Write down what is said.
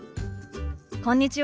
こんにちは。